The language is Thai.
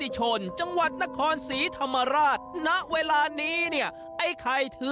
จังหวัดณศศี